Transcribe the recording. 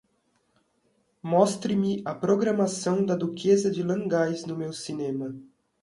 mostre-me a programação da Duquesa de Langeais no meu cinema